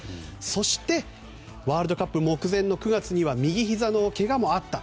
そしてワールドカップ目前の９月には右ひざのけがもあった。